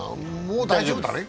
もう大丈夫だね？